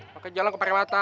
pakai jalan kepake mata